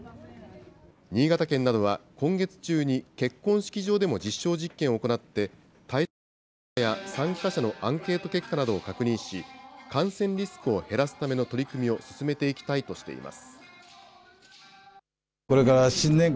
新潟県などは今月中に結婚式場でも実証実験を行って、対策の効果や参加者のアンケート結果などを確認し、感染リスクを減らすための取り組みを進めていきたいとしています。